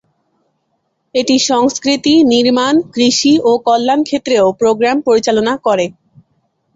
এটি সংস্কৃতি, নির্মাণ, কৃষি ও কল্যাণ ক্ষেত্রেও প্রোগ্রাম পরিচালনা করে।